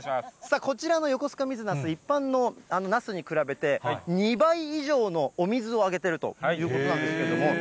こちらのよこすか水なす、一般のナスに比べて、２倍以上のお水をあげてるということなんです